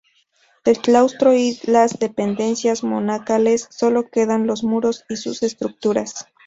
Del claustro y las dependencias monacales solo quedan los muros y sus estructuras.